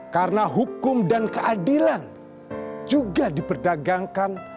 karena hukum dan keadilan juga diperdagangkan